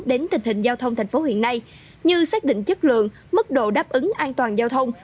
đến tình hình giao thông tp hcm như xác định chất lượng mức độ đáp ứng an toàn giao thông